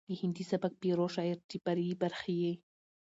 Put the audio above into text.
د هندي سبک پيرو شاعر چې فرعي برخې يې